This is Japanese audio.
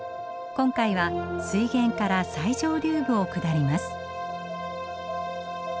今回は水源から最上流部を下ります。